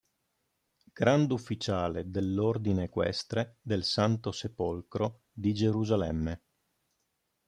Grand’Ufficiale dell’Ordine Equestre del Santo Sepolcro di Gerusalemme.